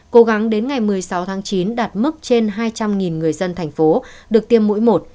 cố gắng đến ngày một mươi sáu tháng chín đạt mức trên hai trăm linh người dân thành phố được tiêm mũi một